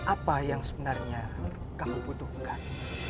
apa yang sebenarnya kamu butuhkan